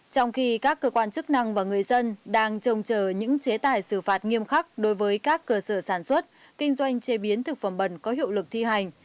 trong khi các cơ quan chức năng và người dân đang trông chờ những chế tài xử phạt nghiêm khắc đối với các cơ sở sản xuất kinh doanh chế biến thực phẩm bẩn có hiệu lực thi hành